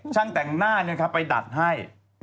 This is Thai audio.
ช่างแต่งหน้าในไปดัดให้